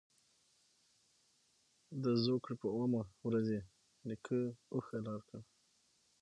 د زوکړ ې په اوومه ورځ یې نیکه اوښ حلال کړ.